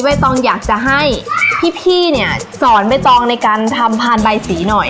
ตองอยากจะให้พี่เนี่ยสอนใบตองในการทำพานใบสีหน่อย